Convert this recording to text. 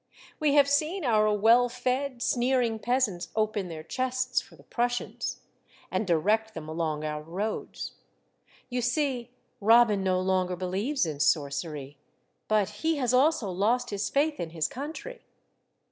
We have seen our well fed, sneering peasants open their chests for the Prussians, and direct them along our roads. You see, Robin no longer believes in sorcery, but he has also lost his faith in his country.